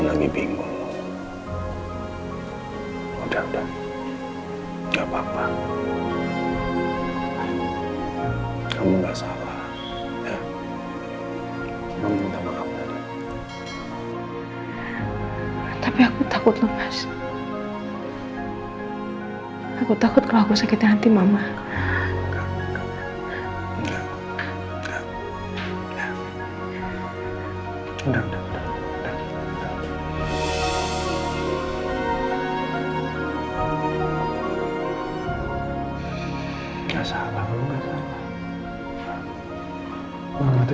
sampai jumpa di video selanjutnya